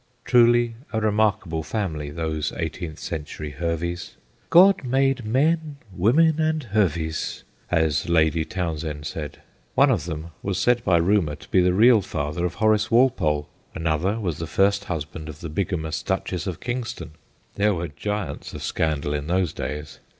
Truly a remarkable family, those eighteenth century Herveys. ' God made men, women, and Herveys,' as Lady Towns hend said. One of them was said by rumour to be the real father of Horace Walpole, another was the first husband of the LORDS OF FINANCE 55 bigamous Duchess of Kingston there were giants of scandal in those days